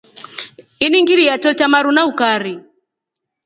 Ini ngililya chao cha maru na ukari.